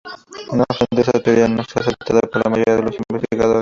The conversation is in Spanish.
No obstante, esta teoría no es aceptada por la mayoría de los investigadores.